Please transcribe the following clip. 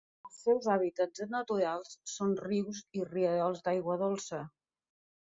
Els seus hàbitats naturals són rius i rierols d'aigua dolça.